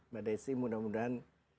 mbak daisy mudah mudahan